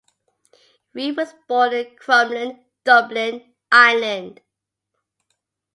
Reid was born in Crumlin, Dublin, Ireland.